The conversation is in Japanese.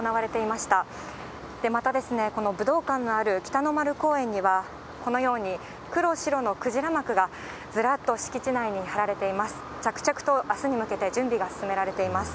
また、この武道館のある北の丸公園には、このように、黒白のくじら幕がずらっと敷地内に張られています。